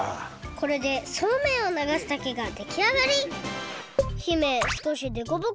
これでそうめんをながす竹ができあがり！